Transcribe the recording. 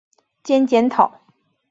兼检讨。